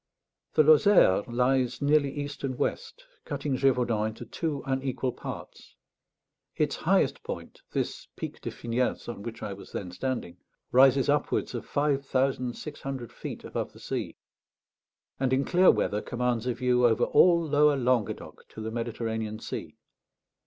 The Lozère lies nearly east and west, cutting Gévaudan into two unequal parts; its highest point, this Pic de Finiels, on which I was then standing, rises upwards of five thousand six hundred feet above the sea, and in clear weather commands a view over all lower Languedoc to the Mediterranean Sea.